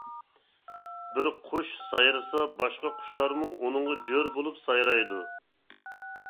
بىر قۇش سايرىسا باشقا قۇشلارمۇ ئۇنىڭغا جور بولۇپ سايرايدۇ.